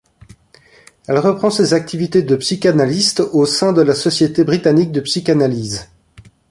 Elle reprend ses activités de psychanalyste, au sein de la Société britannique de psychanalyse.